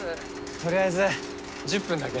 とりあえず１０分だけ。